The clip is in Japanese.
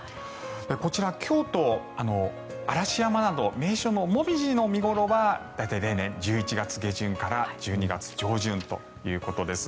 こちら、京都・嵐山など名所のモミジの見頃は大体１１月下旬から１２月上旬となります。